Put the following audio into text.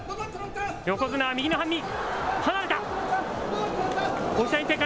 横綱、右の半身。